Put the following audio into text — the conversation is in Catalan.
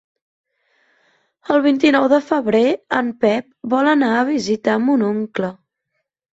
El vint-i-nou de febrer en Pep vol anar a visitar mon oncle.